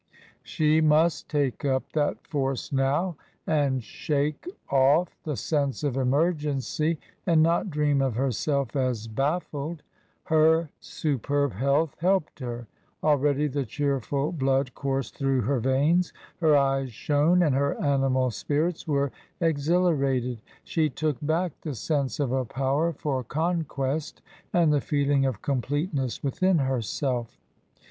She must take up that force now and shake off the sense of emergency and not dream of herself as baffled. Her superb health helped her ; already the cheerful blood coursed through her veins, her eyes shone, and her animal spirits were exhilarated. She took back the sense of a power for conquest and the feeling of completeness within herself.